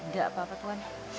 gak apa apa tuan